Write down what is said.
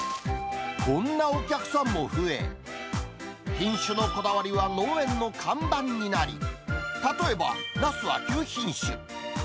こんなお客さんも増え、品種のこだわりは農園の看板になり、例えば、ナスは９品種。